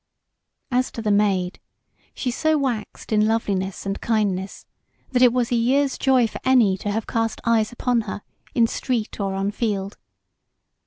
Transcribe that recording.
As to the Maid, she so waxed in loveliness and kindness, that it was a year's joy for any to have cast eyes upon her in street or on field.